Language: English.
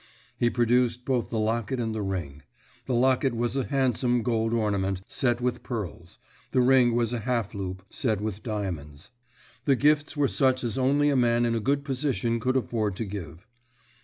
He produced both the locket and the ring. The locket was a handsome gold ornament, set with pearls; the ring was a half hoop, set with diamonds. The gifts were such as only a man in a good position could afford to give.